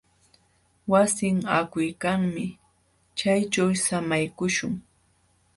Wasin haakuykanmi. Chayćhu samaykuśhun.